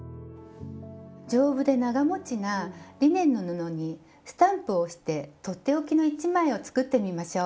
丈夫で長もちなリネンの布にスタンプを押して取って置きの１枚を作ってみましょう。